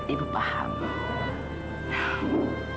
ibu bangga pada kamu